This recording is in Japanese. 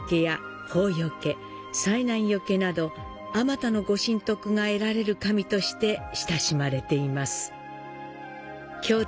あまたの御神徳が得られる神として親しまれています。